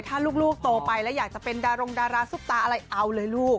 ถ้าลูกโตไปแล้วอยากจะเป็นดารงดาราซุปตาอะไรเอาเลยลูก